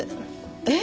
えっ？